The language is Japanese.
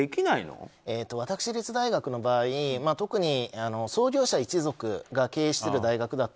私立大学の場合、特に創業者一族が経営している大学だと